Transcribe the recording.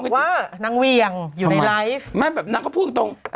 เขาบอกว่านางเวียงอยู่ในลายแหม่นแบบแหม่งก็พูดตรง